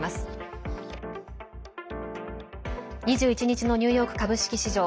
２１日のニューヨーク株式市場。